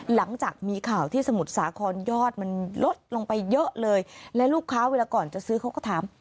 หลังจากมีข่าวที่สมุทรสาครยอดมันลดลงไปเยอะเลยและลูกค้าเวลาก่อนจะซื้อเขาก็ถาม